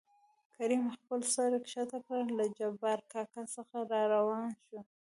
کريم خپل سر ښکته کړ له جبار کاکا څخه راوان شو.